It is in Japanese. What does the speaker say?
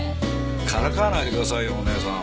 からかわないでくださいよお義姉さん。